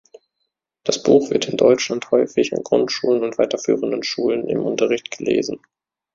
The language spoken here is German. Das Buch wird in Deutschland häufig an Grundschulen und weiterführenden Schulen im Unterricht gelesen.